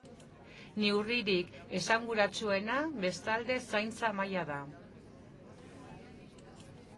Neurririk esanguratsuena, bestalde, zaintza mahaia da.